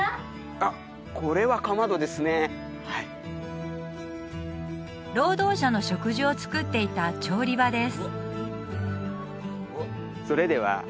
あっこれはかまどですねはい労働者の食事を作っていた調理場です